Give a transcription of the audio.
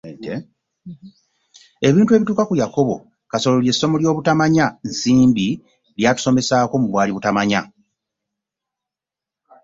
Ebintu ebituuka ku Yakobo Kasolo ly’essomo ly’obutamanya Nsimbi ly’atusomesaako mu Bwali butamanya.